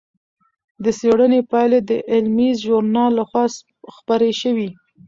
د څېړنې پایلې د علمي ژورنال لخوا خپرې شوې.